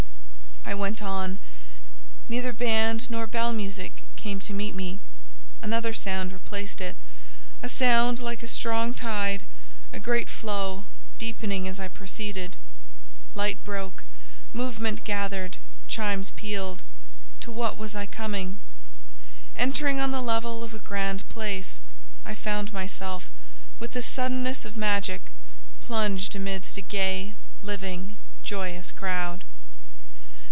I went on: neither band nor bell music came to meet me; another sound replaced it, a sound like a strong tide, a great flow, deepening as I proceeded. Light broke, movement gathered, chimes pealed—to what was I coming? Entering on the level of a Grande Place, I found myself, with the suddenness of magic, plunged amidst a gay, living, joyous crowd.